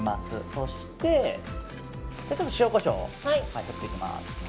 そして、塩、コショウを振っていきます。